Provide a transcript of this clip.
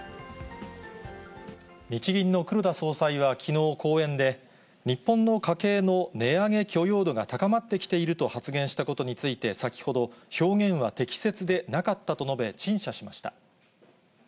日銀の黒田総裁は、きのう講演で、日本の家計の値上げ許容度が高まってきていると発言したことについて、先ほど、表現は適切でなかったと述べ、陳謝しました。